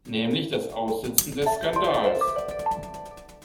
Nämlich das Aussitzen des Skandals.